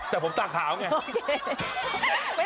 แต่ผมตั้งข่าวไง